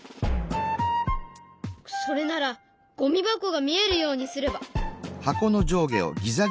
それならゴミ箱が見えるようにすれば。